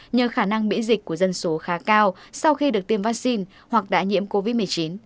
nhờ khả năng miễn dịch của dân số khá cao sau khi được tiêm vaccine hoặc đã nhiễm covid một mươi chín